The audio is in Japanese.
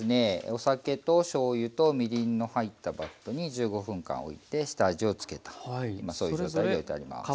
お酒としょうゆとみりんの入ったバットに１５分間おいて下味をつけた今そういう状態でおいてあります。